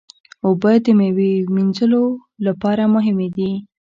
اوبه د میوې وینځلو لپاره مهمې دي.